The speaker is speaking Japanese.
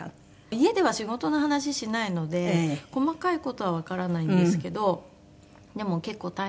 家では仕事の話しないので細かい事はわからないんですけどでも結構大変な仕事をしていたみたいです。